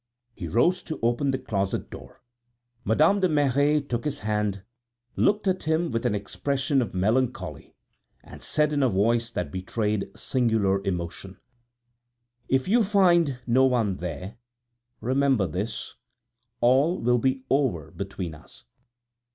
He rose to open the closet door; Madame de Merret took his hand, looked at him with an expression of melancholy, and said in a voice that betrayed singular emotion: "If you find no one there, remember this, all will be over between us!"